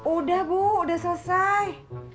udah bu udah selesai